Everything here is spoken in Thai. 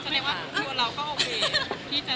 ไม่ซักแล้วค้า